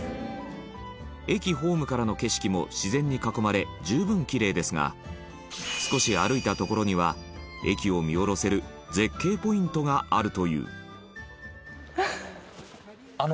駅ホームからの景色も自然に囲まれ、十分キレイですが少し歩いた所には駅を見下ろせる絶景ポイントがあるという徳永：